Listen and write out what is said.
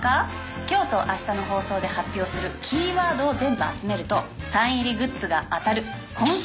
今日と明日の放送で発表するキーワードを全部集めるとサイン入りグッズが当たる。